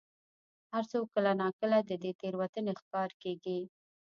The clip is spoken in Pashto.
هر څوک کله نا کله د دې تېروتنې ښکار کېږي.